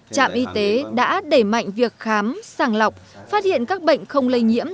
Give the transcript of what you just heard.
trạm y tế đã đẩy mạnh việc khám sàng lọc phát hiện các bệnh không lây nhiễm